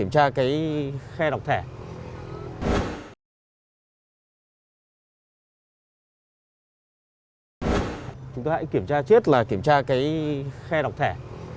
chúng ta hãy kiểm tra chiết là kiểm tra cái khe đọc thẻ